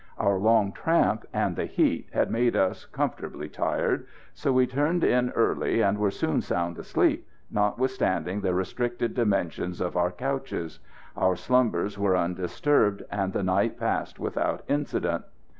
Our long tramp, and the heat, had made us comfortably tired, so we turned in early and were soon sound asleep, notwithstanding the restricted dimensions of our couches. Our slumbers were undisturbed, and the night passed without incident.